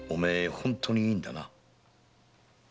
本当にいいんだな？